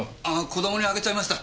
子供にあげちゃいました。